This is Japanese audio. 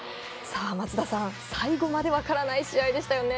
松田さん、最後まで分からない試合でしたよね。